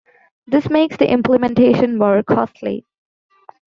This makes the implementation more costly.